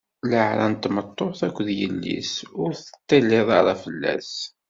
Leɛra n tmeṭṭut akked yelli-s, ur teṭṭiliḍ ara fell-as.